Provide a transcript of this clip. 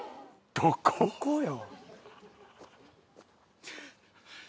どこよ？